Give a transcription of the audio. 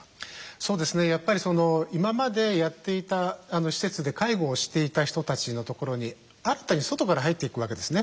そうですねやっぱり今までやっていた施設で介護をしていた人たちのところに新たに外から入っていくわけですね。